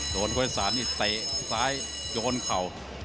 โดนโคชศาลนี่เตะซ้ายโยนเข่า